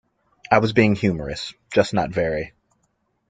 I was being humorous. Just not very.